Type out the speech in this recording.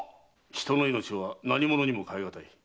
人の命は何ものにも代えがたい。